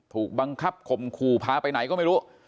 ถูกบังคับข่มขู่พาไปไหนก็ไม่รู้